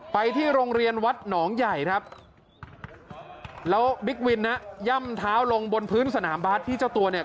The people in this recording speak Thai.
ไปที่โรงเรียนวัดหนองใหญ่ครับแล้วบิ๊กวินนะย่ำเท้าลงบนพื้นสนามบาสที่เจ้าตัวเนี่ย